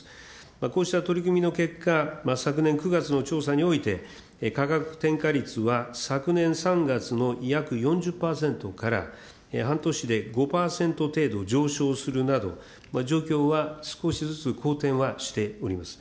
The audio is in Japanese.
こうした取り組みの結果、昨年９月の調査において、価格転嫁率は昨年３月の約４０％から、半年で５％程度上昇するなど、状況は少しずつ好転はしております。